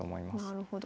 なるほど。